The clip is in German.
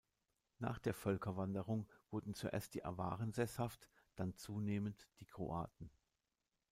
Nach der Völkerwanderung wurden zuerst die Awaren sesshaft, dann zunehmend die Kroaten.